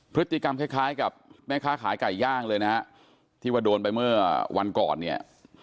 พฤติกรรมคล้ายคล้ายกับแม่ค้าขายไก่ย่างเลยนะฮะที่ว่าโดนไปเมื่อวันก่อนเนี่ย